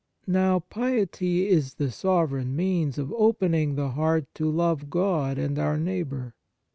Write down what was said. Now, piety is the sovereign means of opening the heart to love God and our neighbour.